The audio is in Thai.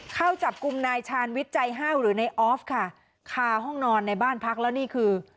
เข้าจับกลุ่มนายชาญวิทย์ใจห้าวหรือในออฟค่ะคาห้องนอนในบ้านพักแล้วนี่คือ